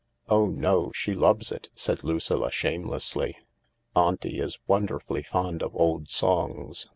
" Ohno, sheloves it,"said Lucilla shamelessly. " Auntie is wonderfully fond of old songs.